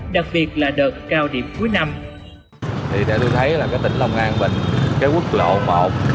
đặc biệt là đợt cao điểm cuối năm